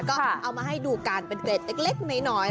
ก็เอามาให้ดูกันเป็นเกรดเล็กน้อย